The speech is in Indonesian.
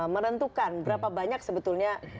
merentukan berapa banyak sebetulnya